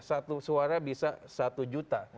satu suara bisa satu juta